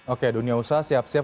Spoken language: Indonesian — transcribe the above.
oke dunia usaha siap siap